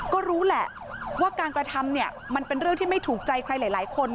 ก็รู้แหละว่าการกระทำเนี่ยมันเป็นเรื่องที่ไม่ถูกใจใครหลายคน